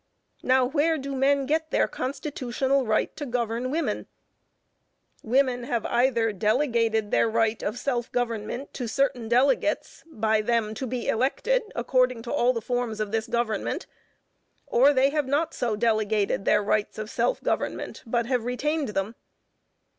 Now where do men get their constitutional right to govern women? Women have either delegated their right of self government to certain delegates, by them to be elected according to all the forms of this government, or they have not so delegated their rights of self government, but have retained them.